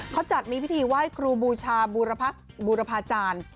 เขาจัดมีพิธีไหว้ครูบูชาบูรพาจารย์